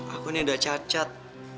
aku ini udah cacat